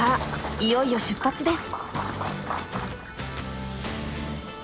いよいよ出発です。